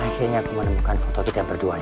akhirnya aku menemukan foto kita berdua